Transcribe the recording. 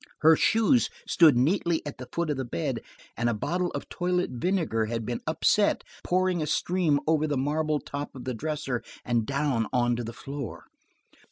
Her shoes stood neatly at the foot of the bed, and a bottle of toilet vinegar had been upset, pouring a stream over the marble top of the dresser and down on to the floor.